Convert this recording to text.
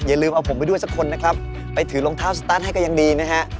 ลืมเอาผมไปด้วยสักคนนะครับไปถือรองเท้าสตาร์ทให้ก็ยังดีนะฮะ